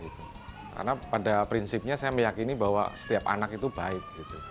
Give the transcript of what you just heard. karena pada prinsipnya saya meyakini bahwa setiap anak itu baik